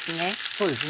そうですね。